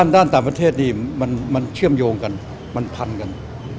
ด้านต่างประเทศนี่มันเชื่อมโยงกันมันพันกัน